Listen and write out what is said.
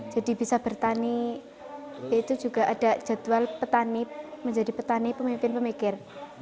jadi bisa bertani itu juga ada jadwal petani menjadi petani pemimpin pemikir